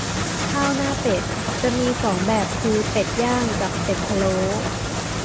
ข้าวหน้าเป็ด จะมีสองแบบคือเป็ดย่าง กับเป็ดพะโล้